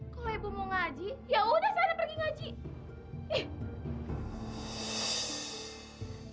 kalo ibu mau ngaji yaudah saya pergi ngaji